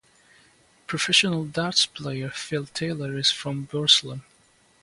Professional darts player, Phil Taylor is from Burslem.